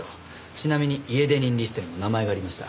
ちなみに家出人リストにも名前がありました。